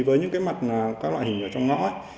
với những mặt các loại hình ở trong ngõ